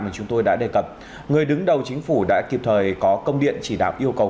mà chúng tôi đã đề cập người đứng đầu chính phủ đã kịp thời có công điện chỉ đạo yêu cầu